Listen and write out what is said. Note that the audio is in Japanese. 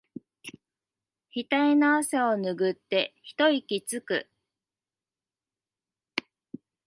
ひたいの汗をぬぐって一息つく